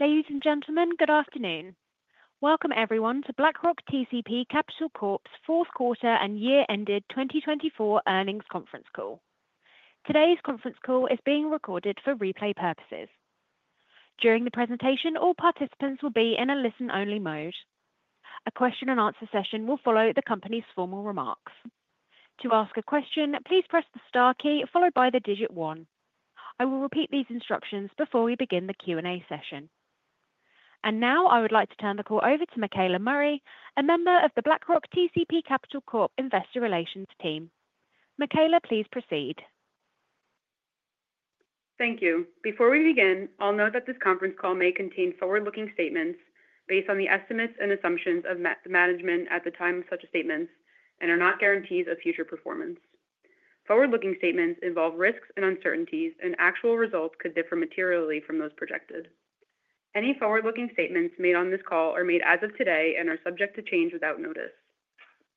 Ladies and gentlemen, good afternoon. Welcome everyone to BlackRock TCP Capital Corp's Fourth Quarter and Year-Ended 2024 Earnings Conference Call. Today's conference call is being recorded for replay purposes. During the presentation, all participants will be in a listen-only mode. A question-and-answer session will follow the company's formal remarks. To ask a question, please press the star key followed by the digit one. I will repeat these instructions before we begin the Q&A session. And now, I would like to turn the call over to Michaela Murray, a member of the BlackRock TCP Capital Corp Investor Relations team. Michaela, please proceed. Thank you. Before we begin, I'll note that this conference call may contain forward-looking statements based on the estimates and assumptions of management at the time of such statements and are not guarantees of future performance. Forward-looking statements involve risks and uncertainties, and actual results could differ materially from those projected. Any forward-looking statements made on this call are made as of today and are subject to change without notice.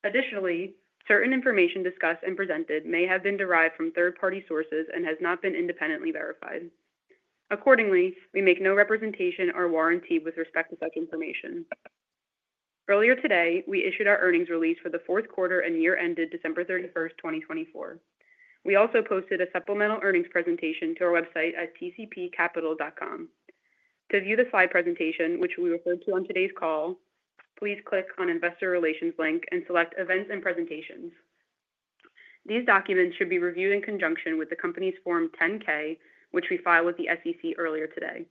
Additionally, certain information discussed and presented may have been derived from third-party sources and has not been independently verified. Accordingly, we make no representation or warranty with respect to such information. Earlier today, we issued our earnings release for the fourth quarter and year-ended December 31st, 2024. We also posted a supplemental earnings presentation to our website at tcpcapital.com. To view the slide presentation, which we referred to on today's call, please click on the Investor Relations link and select Events and Presentations. These documents should be reviewed in conjunction with the company's Form 10-K, which we filed with the SEC earlier today.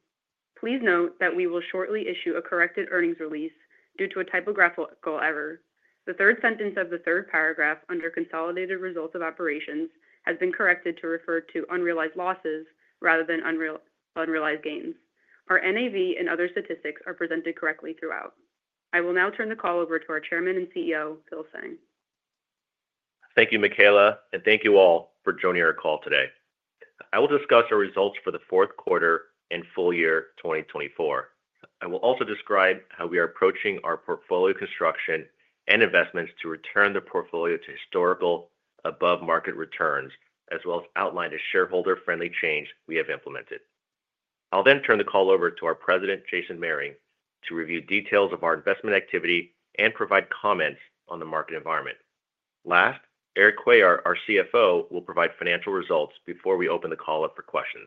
Please note that we will shortly issue a corrected earnings release due to a typographical error. The third sentence of the third paragraph under Consolidated Results of Operations has been corrected to refer to unrealized losses rather than unrealized gains. Our NAV and other statistics are presented correctly throughout. I will now turn the call over to our Chairman and CEO, Phil Tseng. Thank you, Michaela, and thank you all for joining our call today. I will discuss our results for the fourth quarter and full year 2024. I will also describe how we are approaching our portfolio construction and investments to return the portfolio to historical above-market returns, as well as outline the shareholder-friendly change we have implemented. I'll then turn the call over to our President, Jason Mehring, to review details of our investment activity and provide comments on the market environment. Last, Erik Cuellar, our CFO, will provide financial results before we open the call up for questions.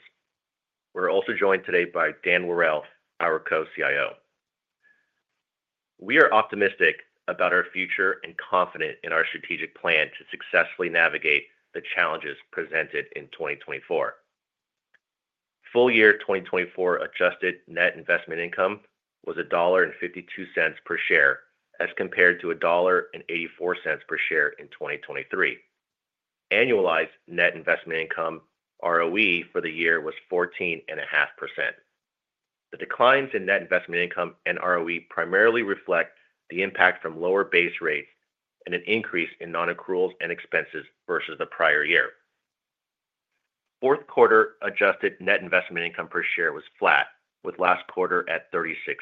We're also joined today by Dan Worrell, our Co-CIO. We are optimistic about our future and confident in our strategic plan to successfully navigate the challenges presented in 2024. Full year 2024 adjusted net investment income was $1.52 per share as compared to $1.84 per share in 2023. Annualized net investment income (ROE) for the year was 14.5%. The declines in net investment income and ROE primarily reflect the impact from lower base rates and an increase in non-accruals and expenses versus the prior year. Fourth quarter adjusted net investment income per share was flat, with last quarter at $0.36.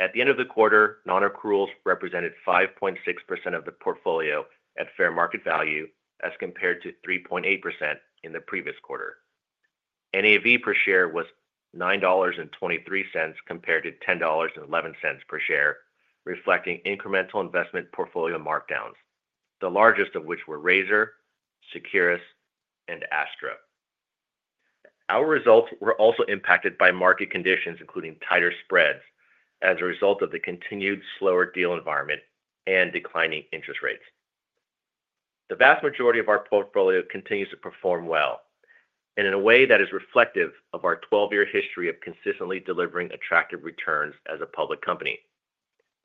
At the end of the quarter, non-accruals represented 5.6% of the portfolio at fair market value as compared to 3.8% in the previous quarter. NAV per share was $9.23 compared to $10.11 per share, reflecting incremental investment portfolio markdowns, the largest of which were Razor, Securus, and Astra. Our results were also impacted by market conditions, including tighter spreads, as a result of the continued slower deal environment and declining interest rates. The vast majority of our portfolio continues to perform well and in a way that is reflective of our 12-year history of consistently delivering attractive returns as a public company.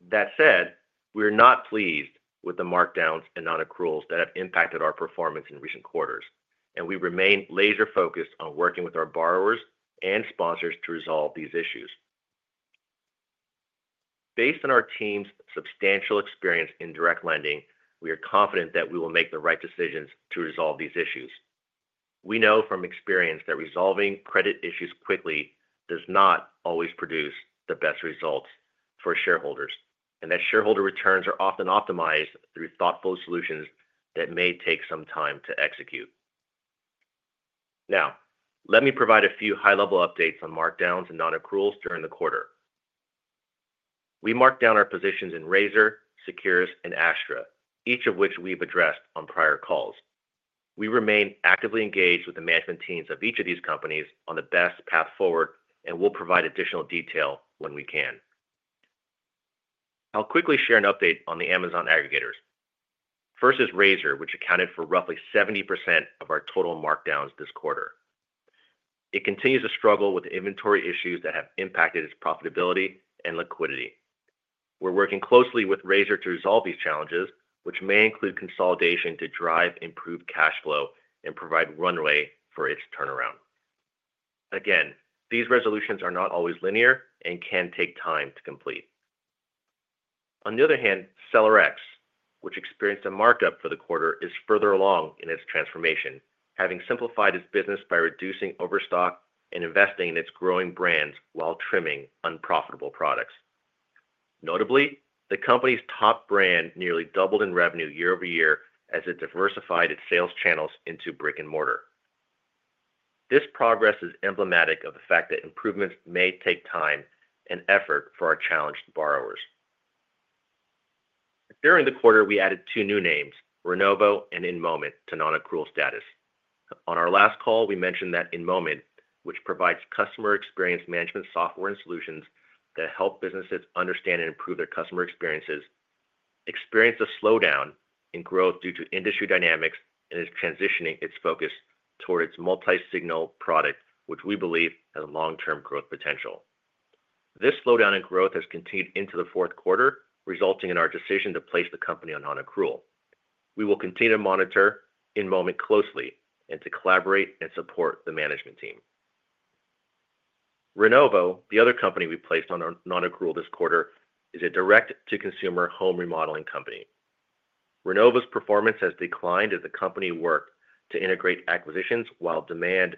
That said, we are not pleased with the markdowns and non-accruals that have impacted our performance in recent quarters, and we remain laser-focused on working with our borrowers and sponsors to resolve these issues. Based on our team's substantial experience in direct lending, we are confident that we will make the right decisions to resolve these issues. We know from experience that resolving credit issues quickly does not always produce the best results for shareholders, and that shareholder returns are often optimized through thoughtful solutions that may take some time to execute. Now, let me provide a few high-level updates on markdowns and non-accruals during the quarter. We marked down our positions in Razor, Securus, and Astra, each of which we've addressed on prior calls. We remain actively engaged with the management teams of each of these companies on the best path forward and will provide additional detail when we can. I'll quickly share an update on the Amazon aggregators. First is Razor, which accounted for roughly 70% of our total markdowns this quarter. It continues to struggle with inventory issues that have impacted its profitability and liquidity. We're working closely with Razor to resolve these challenges, which may include consolidation to drive improved cash flow and provide runway for its turnaround. Again, these resolutions are not always linear and can take time to complete. On the other hand, SellerX, which experienced a markup for the quarter, is further along in its transformation, having simplified its business by reducing overstock and investing in its growing brands while trimming unprofitable products. Notably, the company's top brand nearly doubled in revenue year-over-year as it diversified its sales channels into brick and mortar. This progress is emblematic of the fact that improvements may take time and effort for our challenged borrowers. During the quarter, we added two new names, Renovo and InMoment, to non-accrual status. On our last call, we mentioned that InMoment, which provides customer experience management software and solutions that help businesses understand and improve their customer experiences, experienced a slowdown in growth due to industry dynamics and is transitioning its focus toward its multi-signal product, which we believe has long-term growth potential. This slowdown in growth has continued into the fourth quarter, resulting in our decision to place the company on non-accrual. We will continue to monitor InMoment closely and to collaborate and support the management team. Renovo, the other company we placed on non-accrual this quarter, is a direct-to-consumer home remodeling company. Renovo's performance has declined as the company worked to integrate acquisitions while demand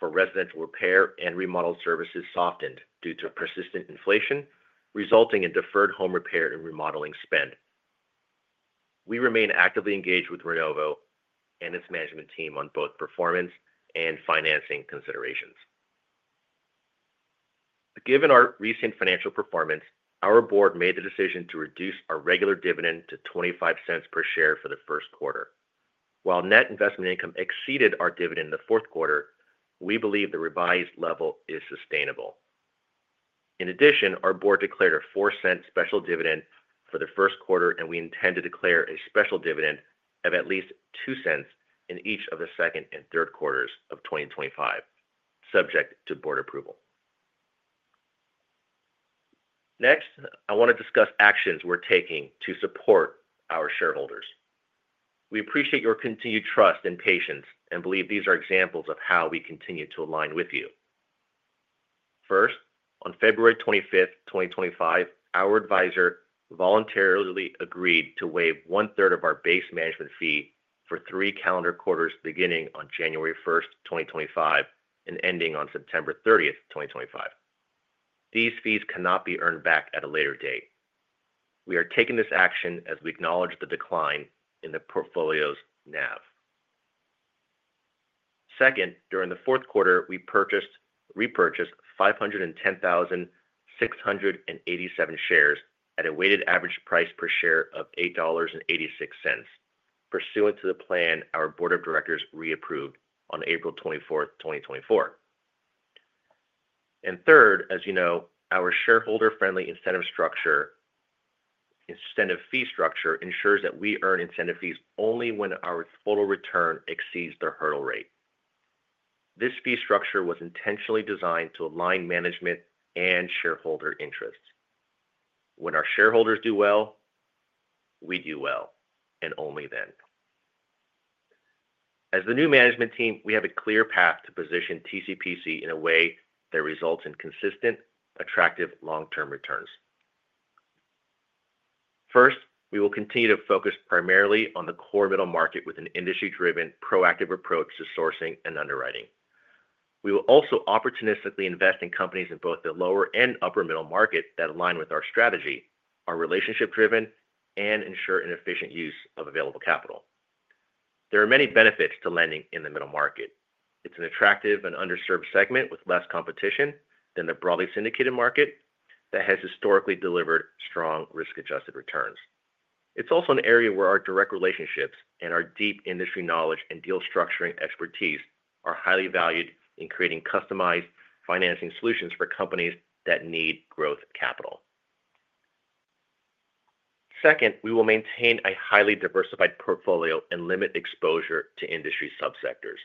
for residential repair and remodel services softened due to persistent inflation, resulting in deferred home repair and remodeling spend. We remain actively engaged with Renovo and its management team on both performance and financing considerations. Given our recent financial performance, our board made the decision to reduce our regular dividend to $0.25 per share for the first quarter. While net investment income exceeded our dividend in the fourth quarter, we believe the revised level is sustainable. In addition, our board declared a $0.04 special dividend for the first quarter, and we intend to declare a special dividend of at least $0.02 in each of the second and third quarters of 2025, subject to board approval. Next, I want to discuss actions we're taking to support our shareholders. We appreciate your continued trust and patience and believe these are examples of how we continue to align with you. First, on February 25th, 2025, our advisor voluntarily agreed to waive one-third of our base management fee for three calendar quarters beginning on January 1st, 2025, and ending on September 30th, 2025. These fees cannot be earned back at a later date. We are taking this action as we acknowledge the decline in the portfolio's NAV. Second, during the fourth quarter, we repurchased 510,687 shares at a weighted average price per share of $8.86, pursuant to the plan our board of directors reapproved on April 24th, 2024. Third, as you know, our shareholder-friendly incentive fee structure ensures that we earn incentive fees only when our total return exceeds the hurdle rate. This fee structure was intentionally designed to align management and shareholder interests. When our shareholders do well, we do well, and only then. As the new management team, we have a clear path to position TCPC in a way that results in consistent, attractive long-term returns. First, we will continue to focus primarily on the core middle market with an industry-driven, proactive approach to sourcing and underwriting. We will also opportunistically invest in companies in both the lower and upper middle market that align with our strategy, are relationship-driven, and ensure an efficient use of available capital. There are many benefits to lending in the middle market. It's an attractive and underserved segment with less competition than the broadly syndicated market that has historically delivered strong risk-adjusted returns. It's also an area where our direct relationships and our deep industry knowledge and deal structuring expertise are highly valued in creating customized financing solutions for companies that need growth capital. Second, we will maintain a highly diversified portfolio and limit exposure to industry subsectors.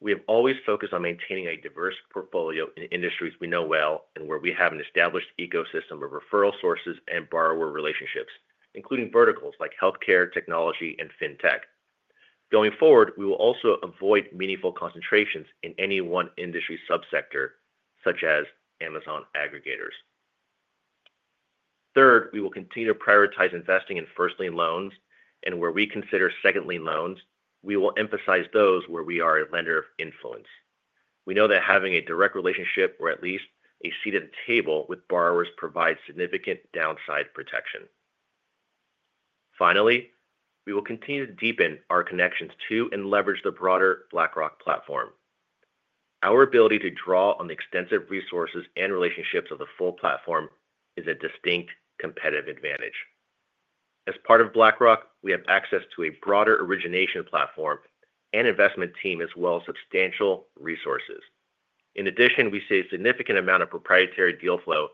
We have always focused on maintaining a diverse portfolio in industries we know well and where we have an established ecosystem of referral sources and borrower relationships, including verticals like healthcare, technology, and fintech. Going forward, we will also avoid meaningful concentrations in any one industry subsector, such as Amazon aggregators. Third, we will continue to prioritize investing in first lien loans, and where we consider second lien loans, we will emphasize those where we are a lender of influence. We know that having a direct relationship or at least a seat at a table with borrowers provides significant downside protection. Finally, we will continue to deepen our connections to and leverage the broader BlackRock platform. Our ability to draw on the extensive resources and relationships of the full platform is a distinct competitive advantage. As part of BlackRock, we have access to a broader origination platform and investment team as well as substantial resources. In addition, we see a significant amount of proprietary deal flow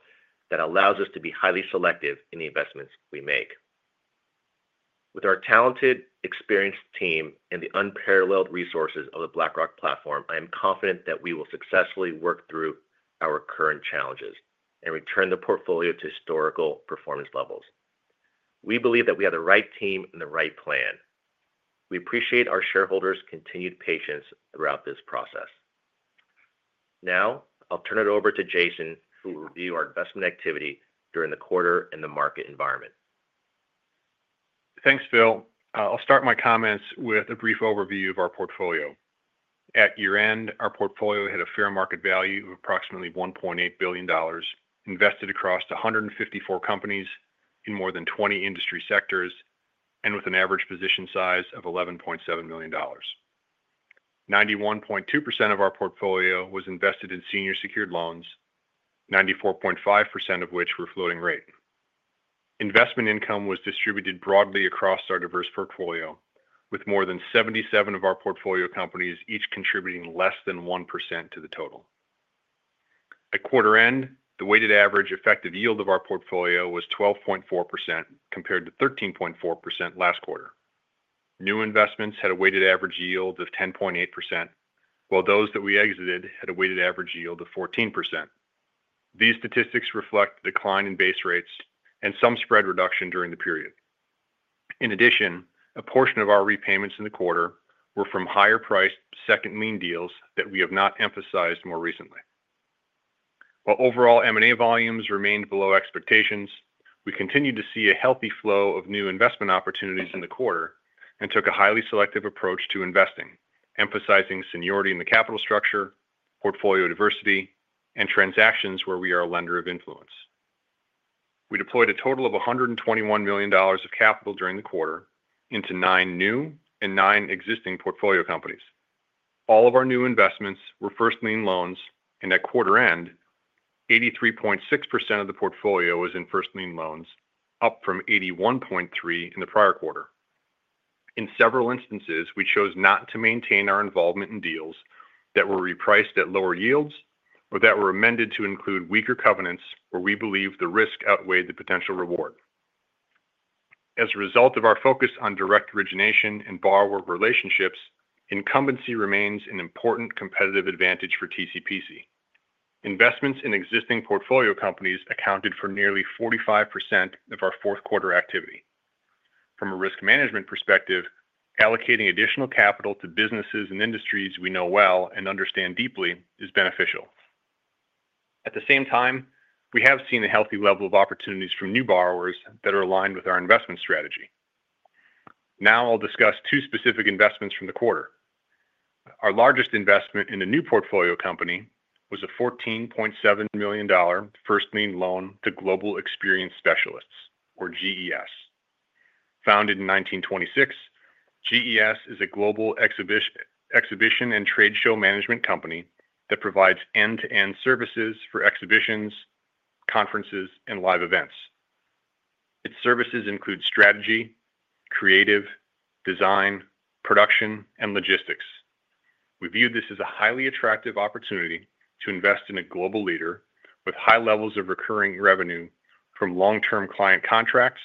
that allows us to be highly selective in the investments we make. With our talented, experienced team, and the unparalleled resources of the BlackRock platform, I am confident that we will successfully work through our current challenges and return the portfolio to historical performance levels. We believe that we have the right team and the right plan. We appreciate our shareholders' continued patience throughout this process. Now, I'll turn it over to Jason, who will review our investment activity during the quarter and the market environment. Thanks, Phil. I'll start my comments with a brief overview of our portfolio. At year-end, our portfolio had a fair market value of approximately $1.8 billion, invested across 154 companies in more than 20 industry sectors, and with an average position size of $11.7 million. 91.2% of our portfolio was invested in senior secured loans, 94.5% of which were floating rate. Investment income was distributed broadly across our diverse portfolio, with more than 77 of our portfolio companies each contributing less than 1% to the total. At quarter-end, the weighted average effective yield of our portfolio was 12.4% compared to 13.4% last quarter. New investments had a weighted average yield of 10.8%, while those that we exited had a weighted average yield of 14%. These statistics reflect a decline in base rates and some spread reduction during the period. In addition, a portion of our repayments in the quarter were from higher-priced second lien deals that we have not emphasized more recently. While overall M&A volumes remained below expectations, we continued to see a healthy flow of new investment opportunities in the quarter and took a highly selective approach to investing, emphasizing seniority in the capital structure, portfolio diversity, and transactions where we are a lender of influence. We deployed a total of $121 million of capital during the quarter into nine new and nine existing portfolio companies. All of our new investments were first lien loans, and at quarter-end, 83.6% of the portfolio was in first lien loans, up from 81.3% in the prior quarter. In several instances, we chose not to maintain our involvement in deals that were repriced at lower yields or that were amended to include weaker covenants where we believe the risk outweighed the potential reward. As a result of our focus on direct origination and borrower relationships, incumbency remains an important competitive advantage for TCPC. Investments in existing portfolio companies accounted for nearly 45% of our fourth-quarter activity. From a risk management perspective, allocating additional capital to businesses and industries we know well and understand deeply is beneficial. At the same time, we have seen a healthy level of opportunities from new borrowers that are aligned with our investment strategy. Now, I'll discuss two specific investments from the quarter. Our largest investment in a new portfolio company was a $14.7 million first lien loan to Global Experience Specialists, or GES. Founded in 1926, GES is a global exhibition and trade show management company that provides end-to-end services for exhibitions, conferences, and live events. Its services include strategy, creative, design, production, and logistics. We view this as a highly attractive opportunity to invest in a global leader with high levels of recurring revenue from long-term client contracts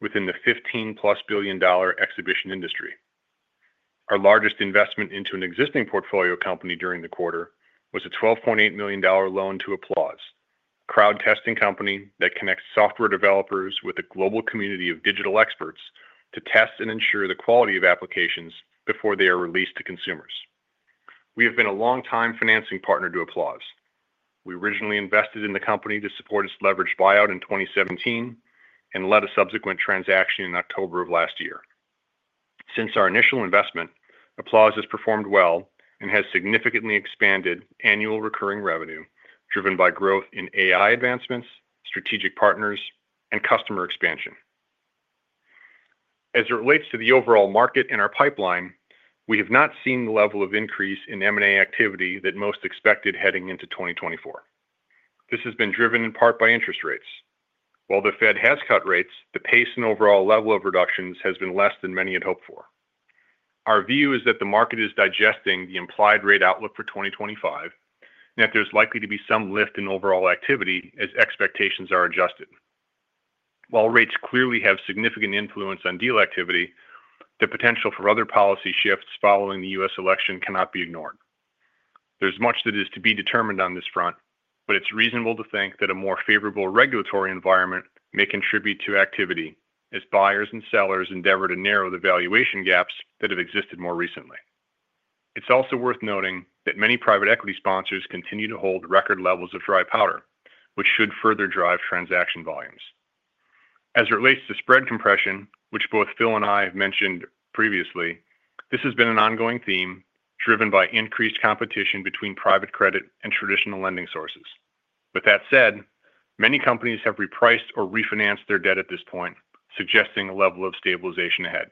within the $15-plus billion exhibition industry. Our largest investment into an existing portfolio company during the quarter was a $12.8 million loan to Applause, a crowd-testing company that connects software developers with a global community of digital experts to test and ensure the quality of applications before they are released to consumers. We have been a long-time financing partner to Applause. We originally invested in the company to support its leveraged buyout in 2017 and led a subsequent transaction in October of last year. Since our initial investment, Applause has performed well and has significantly expanded annual recurring revenue driven by growth in AI advancements, strategic partners, and customer expansion. As it relates to the overall market and our pipeline, we have not seen the level of increase in M&A activity that most expected heading into 2024. This has been driven in part by interest rates. While the Fed has cut rates, the pace and overall level of reductions has been less than many had hoped for. Our view is that the market is digesting the implied rate outlook for 2025 and that there's likely to be some lift in overall activity as expectations are adjusted. While rates clearly have significant influence on deal activity, the potential for other policy shifts following the U.S. election cannot be ignored. There's much that is to be determined on this front, but it's reasonable to think that a more favorable regulatory environment may contribute to activity as buyers and sellers endeavor to narrow the valuation gaps that have existed more recently. It's also worth noting that many private equity sponsors continue to hold record levels of dry powder, which should further drive transaction volumes. As it relates to spread compression, which both Phil and I have mentioned previously, this has been an ongoing theme driven by increased competition between private credit and traditional lending sources. With that said, many companies have repriced or refinanced their debt at this point, suggesting a level of stabilization ahead.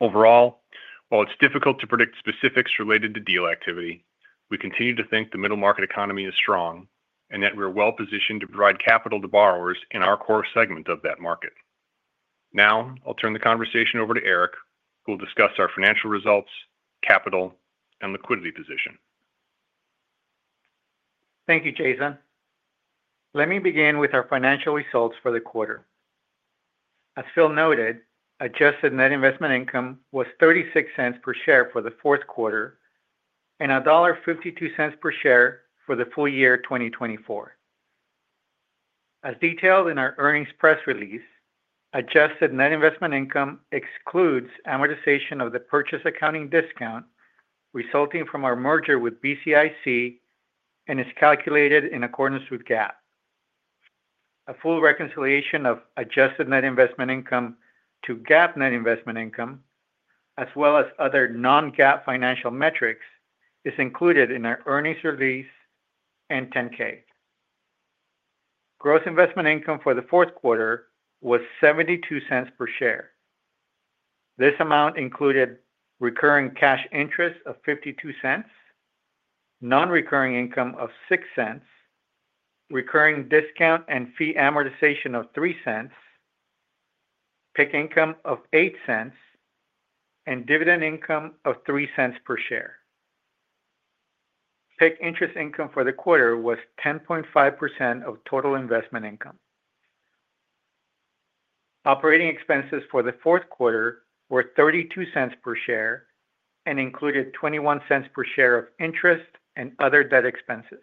Overall, while it's difficult to predict specifics related to deal activity, we continue to think the middle market economy is strong and that we are well-positioned to provide capital to borrowers in our core segment of that market. Now, I'll turn the conversation over to Erik, who will discuss our financial results, capital, and liquidity position. Thank you, Jason. Let me begin with our financial results for the quarter. As Phil noted, adjusted net investment income was $0.36 per share for the fourth quarter and $1.52 per share for the full year 2024. As detailed in our earnings press release, adjusted net investment income excludes amortization of the purchase accounting discount resulting from our merger with BCIC and is calculated in accordance with GAAP. A full reconciliation of adjusted net investment income to GAAP net investment income, as well as other non-GAAP financial metrics, is included in our earnings release and 10-K. Gross investment income for the fourth quarter was $0.72 per share. This amount included recurring cash interest of $0.52, non-recurring income of $0.06, recurring discount and fee amortization of $0.03, PIK income of $0.08, and dividend income of $0.03 per share. PIK interest income for the quarter was 10.5% of total investment income. Operating expenses for the fourth quarter were $0.32 per share and included $0.21 per share of interest and other debt expenses.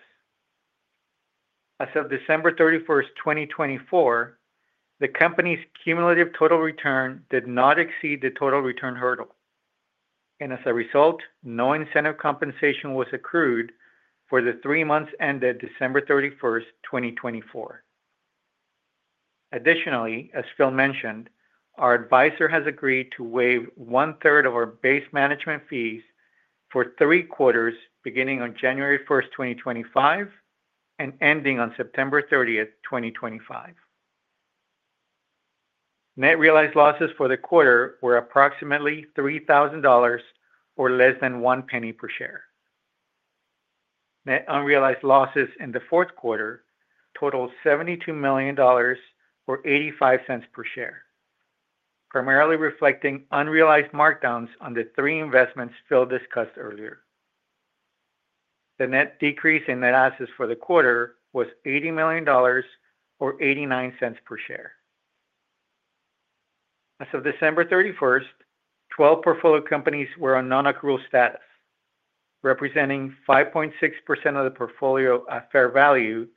As of December 31st, 2024, the company's cumulative total return did not exceed the total return hurdle, and as a result, no incentive compensation was accrued for the three months ended December 31st, 2024. Additionally, as Phil mentioned, our advisor has agreed to waive one-third of our base management fees for three quarters beginning on January 1st, 2025, and ending on September 30th, 2025. Net realized losses for the quarter were approximately $3,000 or less than one penny per share. Net unrealized losses in the fourth quarter totaled $72 million or $0.85 per share, primarily reflecting unrealized markdowns on the three investments Phil discussed earlier. The net decrease in net assets for the quarter was $80 million or $0.89 per share. As of December 31st, 12 portfolio companies were on non-accrual status, representing 5.6% of the portfolio at fair value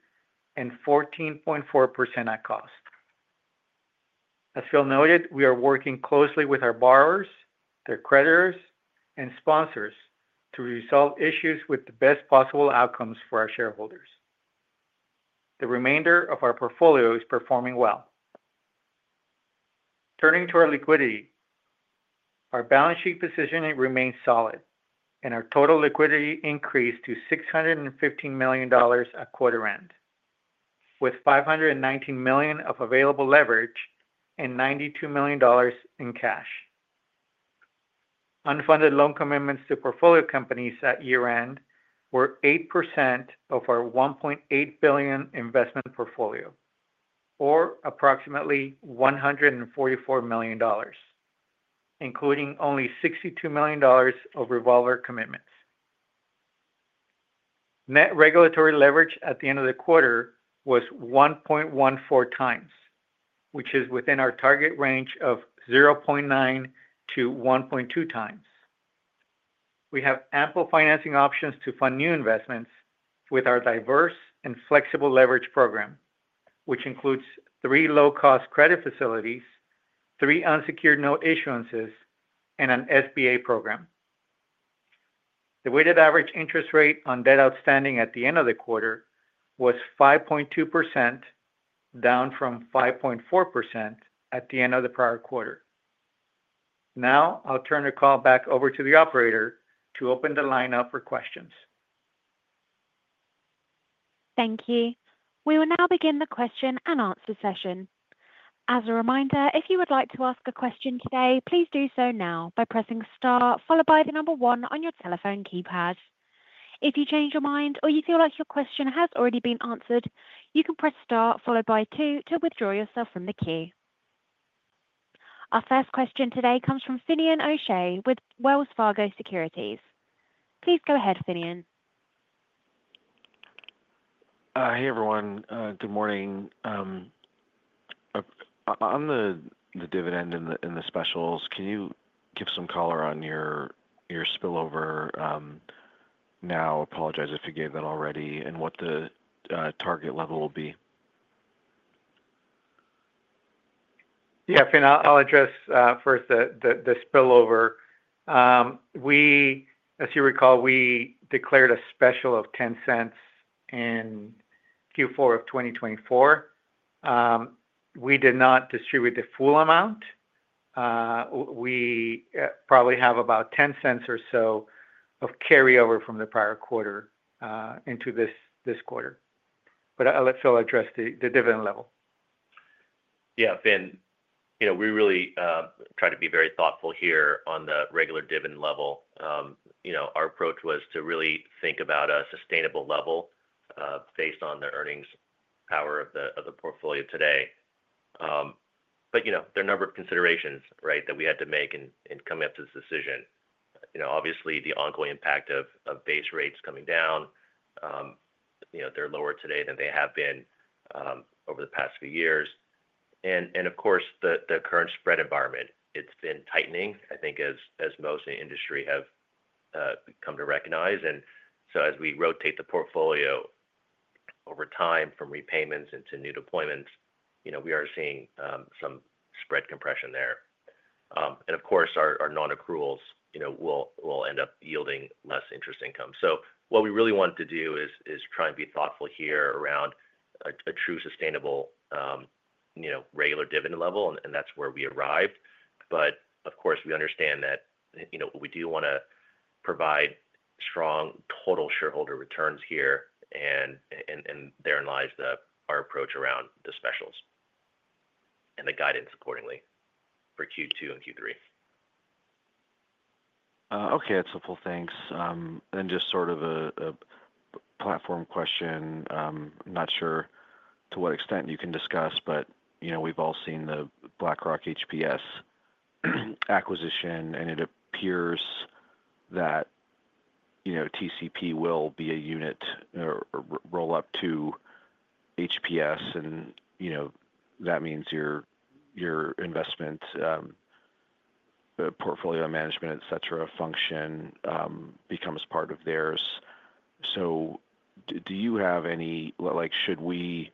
and 14.4% at cost. As Phil noted, we are working closely with our borrowers, their creditors, and sponsors to resolve issues with the best possible outcomes for our shareholders. The remainder of our portfolio is performing well. Turning to our liquidity, our balance sheet position remains solid, and our total liquidity increased to $615 million at quarter-end, with $519 million of available leverage and $92 million in cash. Unfunded loan commitments to portfolio companies at year-end were 8% of our $1.8 billion investment portfolio, or approximately $144 million, including only $62 million of revolver commitments. Net regulatory leverage at the end of the quarter was 1.14 times, which is within our target range of 0.9-1.2 times. We have ample financing options to fund new investments with our diverse and flexible leverage program, which includes three low-cost credit facilities, three unsecured note issuances, and an SBA program. The weighted average interest rate on debt outstanding at the end of the quarter was 5.2%, down from 5.4% at the end of the prior quarter. Now, I'll turn the call back over to the operator to open the line up for questions. Thank you. We will now begin the question and answer session. As a reminder, if you would like to ask a question today, please do so now by pressing star, followed by the number one on your telephone keypad. If you change your mind or you feel like your question has already been answered, you can press star, followed by two, to withdraw yourself from the queue. Our first question today comes from Finian O'Shea with Wells Fargo Securities. Please go ahead, Finian. Hey, everyone. Good morning. On the dividend and the specials, can you give some color on your spillover now? I apologize if you gave that already, and what the target level will be. Yeah, Fin, I'll address first the spillover. As you recall, we declared a special of $0.10 in Q4 of 2024. We did not distribute the full amount. We probably have about $0.10 or so of carryover from the prior quarter into this quarter. But I'll let Phil address the dividend level. Yeah, Fin, we really try to be very thoughtful here on the regular dividend level. Our approach was to really think about a sustainable level based on the earnings power of the portfolio today. But there are a number of considerations that we had to make in coming up to this decision. Obviously, the ongoing impact of base rates coming down, they're lower today than they have been over the past few years. And of course, the current spread environment, it's been tightening, I think, as most in the industry have come to recognize. And so as we rotate the portfolio over time from repayments into new deployments, we are seeing some spread compression there. And of course, our non-accruals will end up yielding less interest income. So what we really want to do is try and be thoughtful here around a true sustainable regular dividend level, and that's where we arrived. But of course, we understand that we do want to provide strong total shareholder returns here, and therein lies our approach around the specials and the guidance accordingly for Q2 and Q3. Okay, that's helpful. Thanks. And just sort of a platform question. I'm not sure to what extent you can discuss, but we've all seen the BlackRock HPS acquisition, and it appears that TCP will be a unit roll-up to HPS, and that means your investment portfolio management, etc., function becomes part of theirs. So do you have any? Should we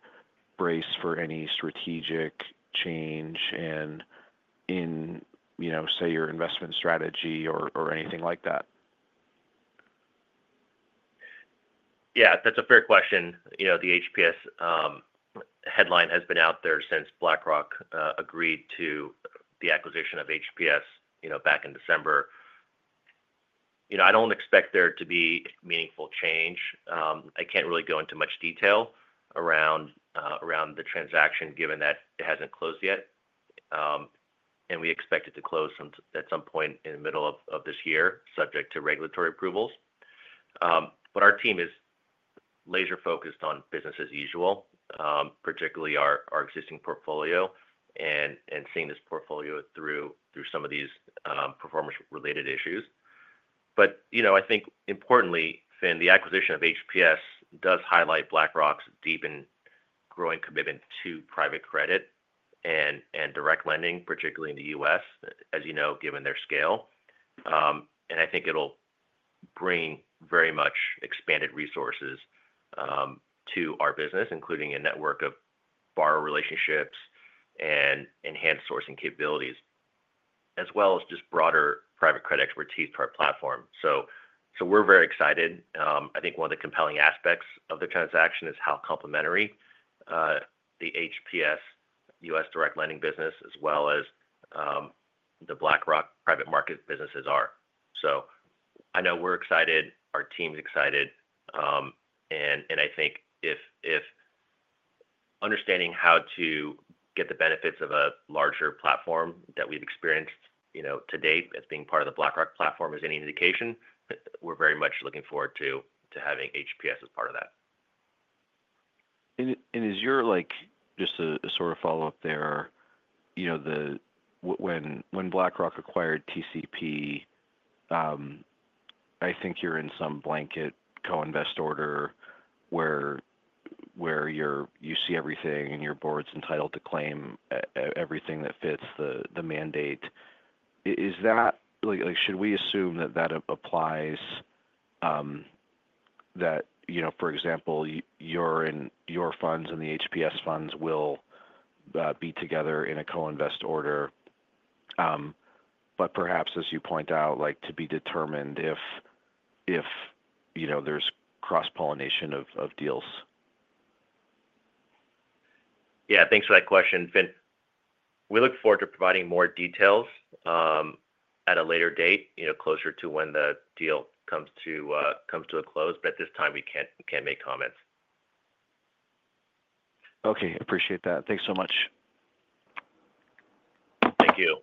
brace for any strategic change in, say, your investment strategy or anything like that? Yeah, that's a fair question. The HPS headline has been out there since BlackRock agreed to the acquisition of HPS back in December. I don't expect there to be meaningful change. I can't really go into much detail around the transaction given that it hasn't closed yet, and we expect it to close at some point in the middle of this year, subject to regulatory approvals. But our team is laser-focused on business as usual, particularly our existing portfolio, and seeing this portfolio through some of these performance-related issues. But I think, importantly, Fin, the acquisition of HPS does highlight BlackRock's deep and growing commitment to private credit and direct lending, particularly in the U.S., as you know, given their scale. And I think it'll bring very much expanded resources to our business, including a network of borrower relationships and enhanced sourcing capabilities, as well as just broader private credit expertise to our platform. So we're very excited. I think one of the compelling aspects of the transaction is how complementary the HPS U.S. direct lending business, as well as the BlackRock private market businesses are. So I know we're excited, our team's excited, and I think if understanding how to get the benefits of a larger platform that we've experienced to date as being part of the BlackRock platform is any indication, we're very much looking forward to having HPS as part of that. And is your—just a sort of follow-up there—when BlackRock acquired TCP, I think you're in some blanket co-invest order where you see everything and your board's entitled to claim everything that fits the mandate. Should we assume that that applies that, for example, your funds and the HPS funds will be together in a co-invest order, but perhaps, as you point out, to be determined if there's cross-pollination of deals? Yeah, thanks for that question, Fin. We look forward to providing more details at a later date, closer to when the deal comes to a close, but at this time, we can't make comments. Okay, appreciate that. Thanks so much. Thank you.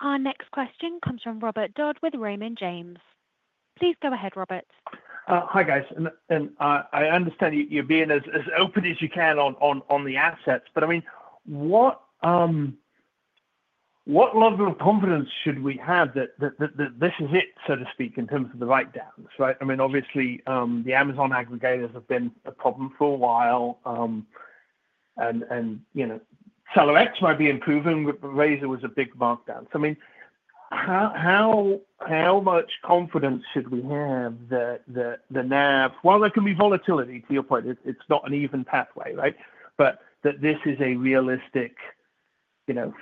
Our next question comes from Robert Dodd with Raymond James. Please go ahead, Robert. Hi, guys. And I understand you're being as open as you can on the assets, but I mean, what level of confidence should we have that this is it, so to speak, in terms of the write-downs, right? I mean, obviously, the Amazon aggregators have been a problem for a while, and SellerX might be improving, but Razor was a big markdown. So I mean, how much confidence should we have that the NAV. Well, there can be volatility, to your point. It's not an even pathway, right? But that this is a realistic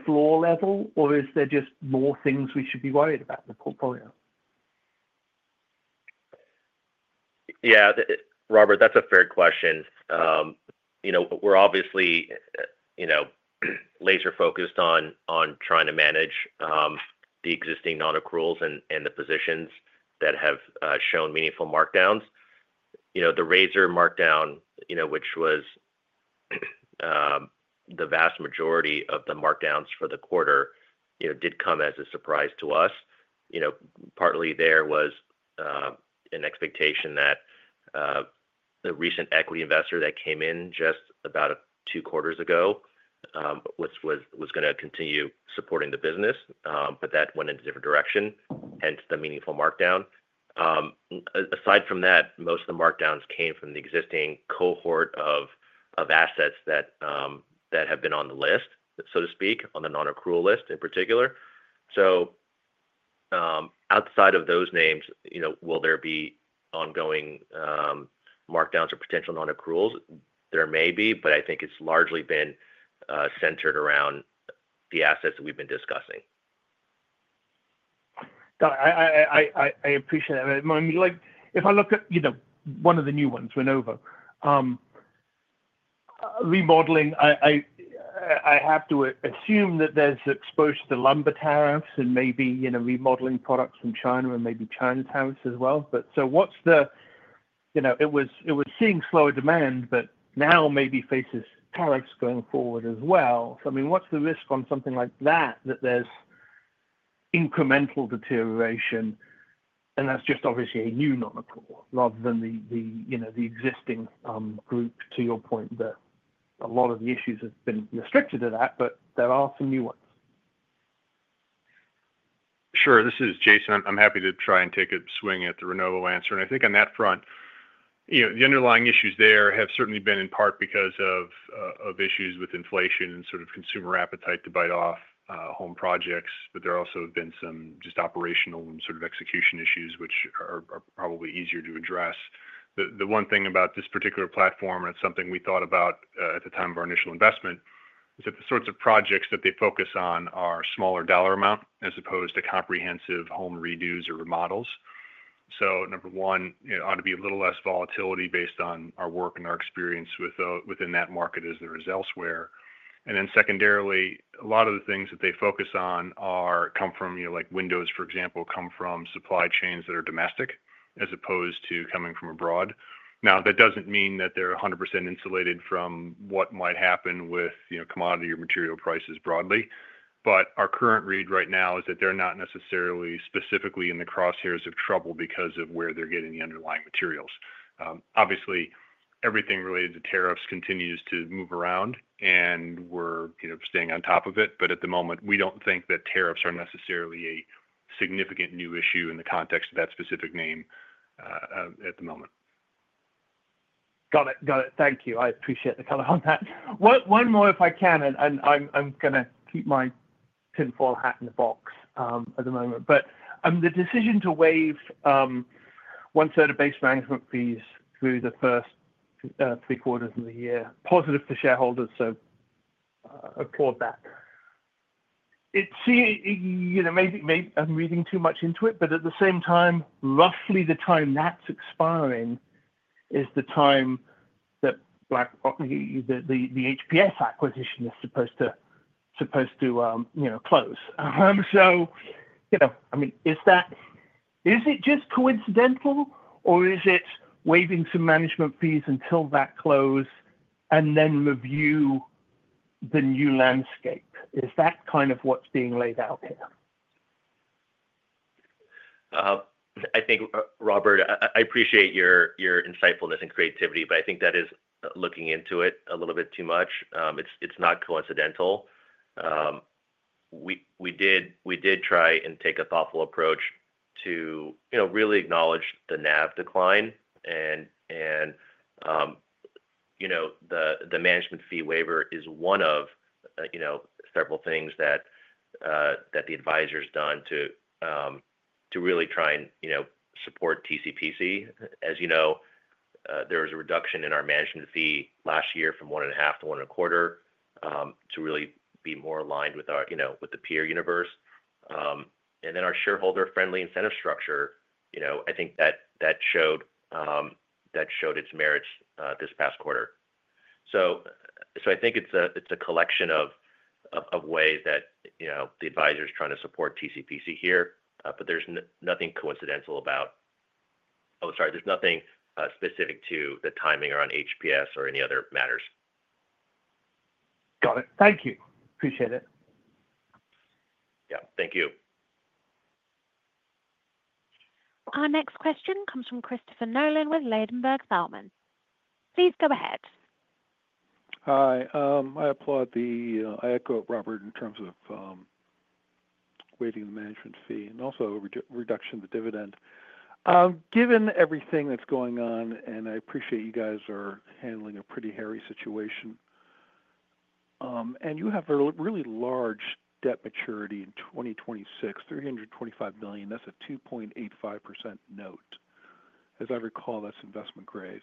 floor level, or is there just more things we should be worried about in the portfolio? Yeah, Robert, that's a fair question. We're obviously laser-focused on trying to manage the existing non-accruals and the positions that have shown meaningful markdowns. The Razor markdown, which was the vast majority of the markdowns for the quarter, did come as a surprise to us. Partly, there was an expectation that the recent equity investor that came in just about two quarters ago was going to continue supporting the business, but that went in a different direction, hence the meaningful markdown. Aside from that, most of the markdowns came from the existing cohort of assets that have been on the list, so to speak, on the non-accrual list in particular. So outside of those names, will there be ongoing markdowns or potential non-accruals? There may be, but I think it's largely been centered around the assets that we've been discussing. I appreciate that. If I look at one of the new ones, Renovo, remodeling, I have to assume that there's exposure to lumber tariffs and maybe remodeling products from China and maybe China tariffs as well, so what's the-it was seeing slower demand, but now maybe faces tariffs going forward as well, so I mean, what's the risk on something like that, that there's incremental deterioration, and that's just obviously a new non-accrual rather than the existing group, to your point, that a lot of the issues have been restricted to that, but there are some new ones? Sure. This is Jason. I'm happy to try and take a swing at the Renovo answer, and I think on that front, the underlying issues there have certainly been in part because of issues with inflation and sort of consumer appetite to bite off home projects, but there also have been some just operational and sort of execution issues, which are probably easier to address. The one thing about this particular platform, and it's something we thought about at the time of our initial investment, is that the sorts of projects that they focus on are smaller dollar amount as opposed to comprehensive home redos or remodels, so number one, it ought to be a little less volatility based on our work and our experience within that market as there is elsewhere. And then secondarily, a lot of the things that they focus on come from windows, for example, come from supply chains that are domestic as opposed to coming from abroad. Now, that doesn't mean that they're 100% insulated from what might happen with commodity or material prices broadly. But our current read right now is that they're not necessarily specifically in the crosshairs of trouble because of where they're getting the underlying materials. Obviously, everything related to tariffs continues to move around, and we're staying on top of it. But at the moment, we don't think that tariffs are necessarily a significant new issue in the context of that specific name at the moment. Got it. Got it. Thank you. I appreciate the color on that. One more, if I can, and I'm going to keep my tinfoil hat in the box at the moment. But the decision to waive one-third of base management fees through the first three quarters of the year, positive for shareholders, so applaud that. I'm reading too much into it, but at the same time, roughly the time that's expiring is the time that the HPS acquisition is supposed to close. So I mean, is it just coincidental, or is it waiving some management fees until that close and then review the new landscape? Is that kind of what's being laid out here? I think, Robert, I appreciate your insightfulness and creativity, but I think that is looking into it a little bit too much. It's not coincidental. We did try and take a thoughtful approach to really acknowledge the NAV decline, and the management fee waiver is one of several things that the advisor has done to really try and support TCPC. As you know, there was a reduction in our management fee last year from one and a half to one and a quarter to really be more aligned with the peer universe. And then our shareholder-friendly incentive structure, I think that showed its merits this past quarter. So I think it's a collection of ways that the advisor is trying to support TCPC here, but there's nothing coincidental about. Oh, sorry, there's nothing specific to the timing around HPS or any other matters. Got it. Thank you. Appreciate it. Yeah. Thank you. Our next question comes from Christopher Nolan with Ladenburg Thalmann. Please go ahead. Hi. I echo Robert in terms of waiving the management fee and also a reduction in the dividend. Given everything that's going on, and I appreciate you guys are handling a pretty hairy situation, and you have a really large debt maturity in 2026, $325 million, that's a 2.85% note. As I recall, that's investment grade.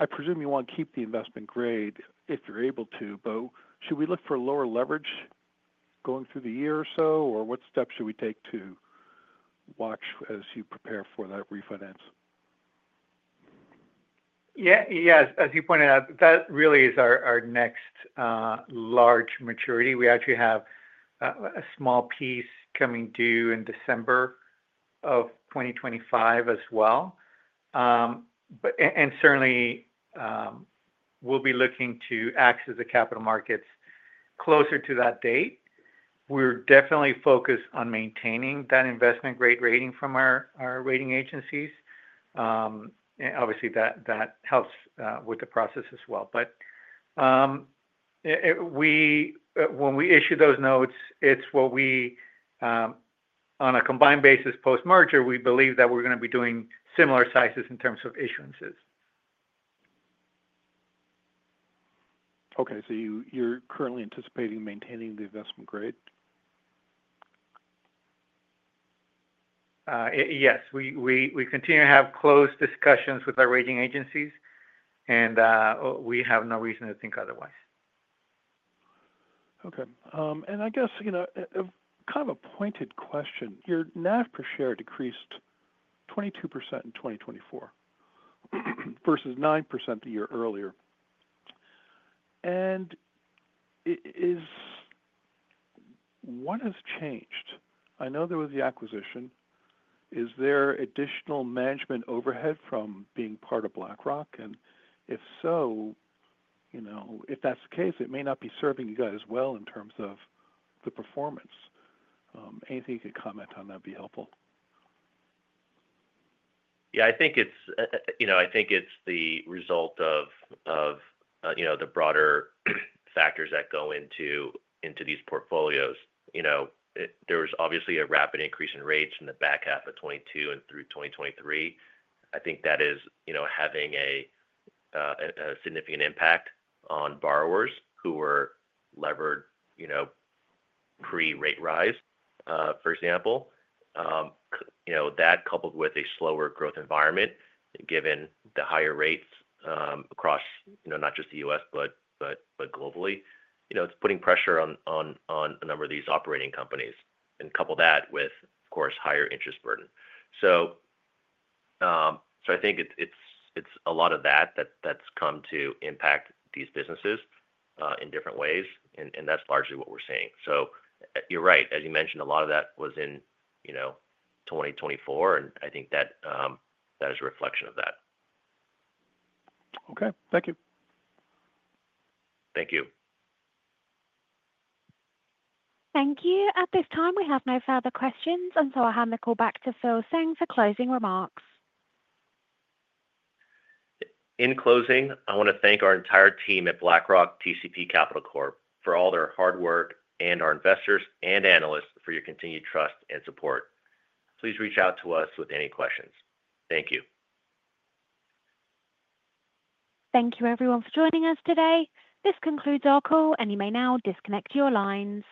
I presume you want to keep the investment grade if you're able to, but should we look for lower leverage going through the year or so, or what steps should we take to watch as you prepare for that refinance? Yeah. As you pointed out, that really is our next large maturity. We actually have a small piece coming due in December of 2025 as well. And certainly, we'll be looking to access the capital markets closer to that date. We're definitely focused on maintaining that investment grade rating from our rating agencies. Obviously, that helps with the process as well. But when we issue those notes, it's what we, on a combined basis, post-merger, we believe that we're going to be doing similar sizes in terms of issuances. Okay. So you're currently anticipating maintaining the investment grade? Yes. We continue to have closed discussions with our rating agencies, and we have no reason to think otherwise. Okay, and I guess kind of a pointed question. Your NAV per share decreased 22% in 2024 versus 9% the year earlier. And what has changed? I know there was the acquisition. Is there additional management overhead from being part of BlackRock? And if so, if that's the case, it may not be serving you guys well in terms of the performance. Anything you could comment on that would be helpful. Yeah. I think it's the result of the broader factors that go into these portfolios. There was obviously a rapid increase in rates in the back half of 2022 and through 2023. I think that is having a significant impact on borrowers who were levered pre-rate rise, for example. That, coupled with a slower growth environment given the higher rates across not just the U.S., but globally, it's putting pressure on a number of these operating companies. And couple that with, of course, higher interest burden. So I think it's a lot of that that's come to impact these businesses in different ways, and that's largely what we're seeing. So you're right. As you mentioned, a lot of that was in 2024, and I think that is a reflection of that. Okay. Thank you. Thank you. Thank you. At this time, we have no further questions, and so I'll hand the call back to Phil Tseng for closing remarks. In closing, I want to thank our entire team at BlackRock TCP Capital Corp for all their hard work and our investors and analysts for your continued trust and support. Please reach out to us with any questions. Thank you. Thank you, everyone, for joining us today. This concludes our call, and you may now disconnect your lines.